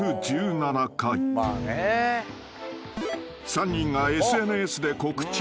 ［３人がＳＮＳで告知］